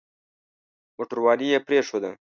موټرواني يې پرېښوده.